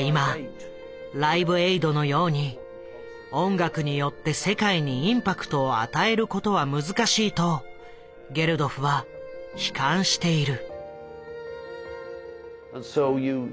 今「ライブエイド」のように音楽によって世界にインパクトを与えることは難しいとゲルドフは悲観している。